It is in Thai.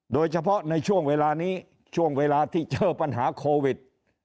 โดยเฉพาะในช่วงเวลานี้ช่วงเวลาที่เจอปัญหาโควิด